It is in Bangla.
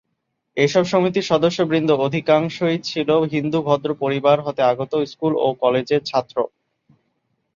এসব সমিতির সদস্যবৃন্দ অধিকাংশই ছিল হিন্দু ভদ্র পরিবার হতে আগত স্কুল ও কলেজের ছাত্র।